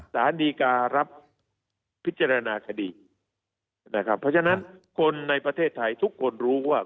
สารดีการับพิจารณาคดีนะครับเพราะฉะนั้นคนในประเทศไทยทุกคนรู้ว่า